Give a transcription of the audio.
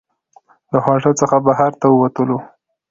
له هوټل څخه بهر ښار ته ووتلو.